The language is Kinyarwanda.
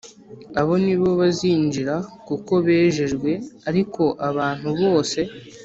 Abo ni bo bazinjira kuko bejejwe ariko abantu bose